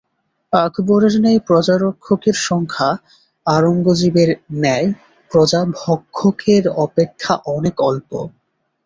আকবরের ন্যায় প্রজারক্ষকের সংখ্যা আরঙ্গজীবের ন্যায় প্রজাভক্ষকের অপেক্ষা অনেক অল্প।